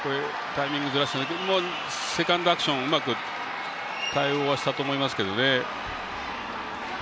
セカンドアクションうまく対応したと思いますけどね。